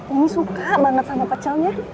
ummi suka banget sama pecelnya